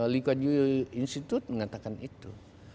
likud institute mengatakan itu